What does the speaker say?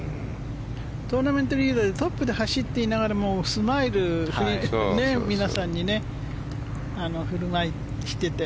トーナメントリーダーでトップで走っていながらもスマイル皆さんに振る舞いしていて。